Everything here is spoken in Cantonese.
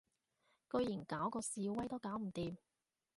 居然搞嗰示威都搞唔掂